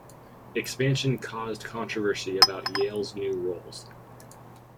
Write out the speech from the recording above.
Expansion caused controversy about Yale's new roles.